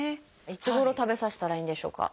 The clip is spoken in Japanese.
いつごろ食べさせたらいいんでしょうか？